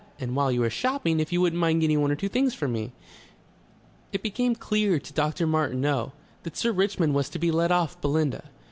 And while you are shopping, if you wouldn't mind getting one or two things for me...." It became clear to Dr. Martineau that Sir Richmond was to be let off Belinda.